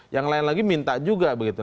yang lain lagi minta juga begitu